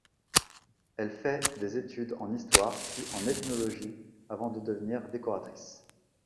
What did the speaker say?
Elle fait des études en histoire, puis en ethnologie avant de devenir décoratrice.